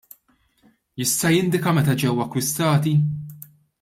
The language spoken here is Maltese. Jista' jindika meta ġew akkwistati?